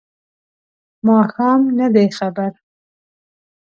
ماښام نه دی خبر